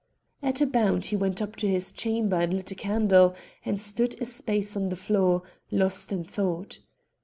At a bound he went up to his chamber and lit a candle, and stood a space on the floor, lost in thought.